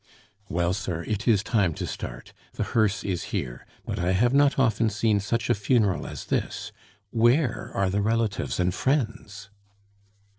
"Well, sir, it is time to start. The hearse is here; but I have not often seen such a funeral as this. Where are the relatives and friends?"